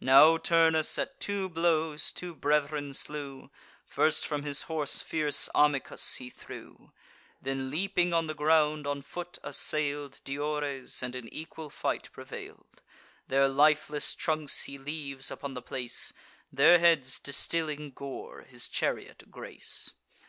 Now Turnus, at two blows, two brethren slew; First from his horse fierce Amycus he threw: Then, leaping on the ground, on foot assail'd Diores, and in equal fight prevail'd. Their lifeless trunks he leaves upon the place; Their heads, distilling gore, his chariot grace.